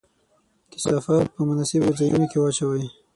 کثافات په مناسبو ځایونو کې واچوئ.